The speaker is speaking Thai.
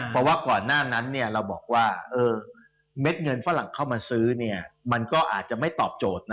เพราะว่าก่อนหน้านั้นเราบอกว่าเม็ดเงินฝรั่งเข้ามาซื้อมันก็อาจจะไม่ตอบโจทย์